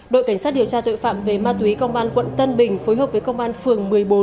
đội cảnh sát điều tra tội phạm về ma túy công an tp hcm phối hợp với công an phường một mươi bốn